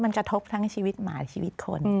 มันกระทบทั้งชีวิตหมาชีวิตคน